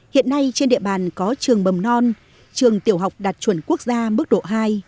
hiện nay trên địa bàn có trường mầm non trường tiểu học đạt chuẩn quốc gia mức độ hai